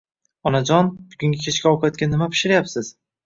Onajoni, bugun kechki ovqatga nima pishiryapsiz?